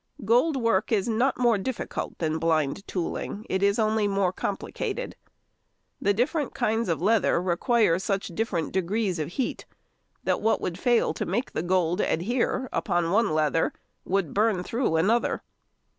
Gold work is not more difficult than blind tooling, it is only more complicated. The |126| different kinds of leather require such different degrees of heat, that what would fail to make the gold adhere upon one leather would burn through another.